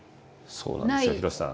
そうなんですよ廣瀬さん。